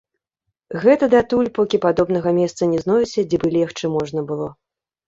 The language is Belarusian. Гэта датуль, покі падобнага месца не знойдзе, дзе бы легчы можна было.